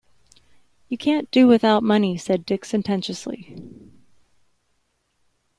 "You can't do without money," said Dick sententiously.